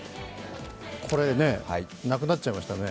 これ、なくなっちゃいましたね。